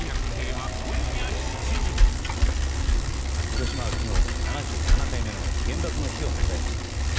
広島は昨日、７７回目の原爆の日を迎えました。